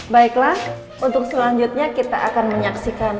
baiklah untuk selanjutnya kita akan menyaksikan